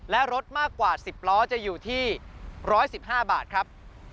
และรถมากกว่า๑๐ล้อจะอยู่ที่๑๑๕บาทครับ